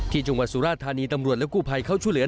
ที่จังหวัดสุราธารณีตำรวจและกู้ภัยเข้าชุเหลือ